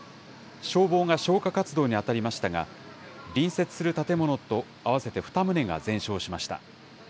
消防が消火活動に当たりましたが、隣接する建物と合わせて２棟が全焼しました。